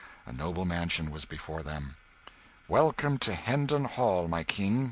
A noble mansion was before them. "Welcome to Hendon Hall, my King!"